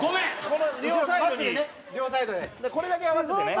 これだけ合わせてね